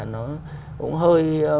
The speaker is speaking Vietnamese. nó cũng hơi